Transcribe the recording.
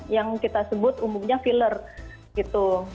yang kita sebut umumnya filler gitu